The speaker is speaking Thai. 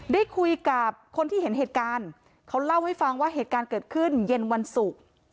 ได้คุยกับคนที่เห็นเหตุการณ์เขาเล่าให้ฟังว่าเหตุการณ์เกิดขึ้นเย็นวันศุกร์